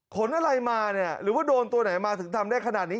ขนอะไรมาเนี่ยหรือว่าโดนตัวไหนมาถึงทำได้ขนาดนี้